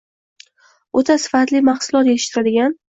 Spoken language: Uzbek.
o‘ta sifatli mahsulot yetishtiradigan